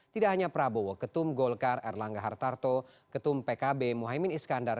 tidak hanya prabowo ketum golkar erlangga hartarto ketum pkb muhaymin iskandar